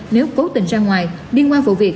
nếu cố tình ra ngoài điên qua vụ việc